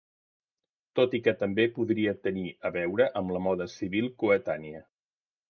Tot i que també podria tenir a veure amb la moda civil coetània.